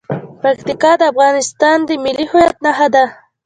پکتیکا د افغانستان د ملي هویت نښه ده.